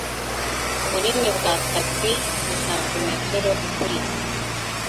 Ubunini bwa tapi ni santimetero kuri .